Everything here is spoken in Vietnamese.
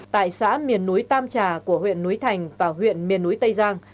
tại xã miền núi tam trà của huyện núi thành và huyện miền núi tây giang